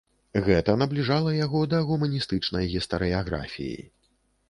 Гэта набліжала яго да гуманістычнай гістарыяграфіі.